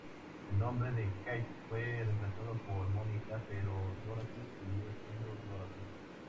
El nombre de Kate fue reemplazado por Mónica, pero Dorothy siguió siendo Dorothy.